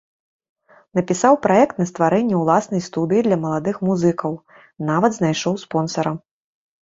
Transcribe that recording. Напісаў праект на стварэнне ўласнай студыі для маладых музыкаў, нават знайшоў спонсара.